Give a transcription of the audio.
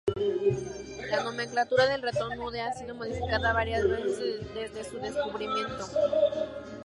La nomenclatura del ratón nude ha sido modificada varias veces desde su descubrimiento.